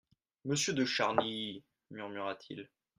Monsieur de Charny ! murmura-t-il.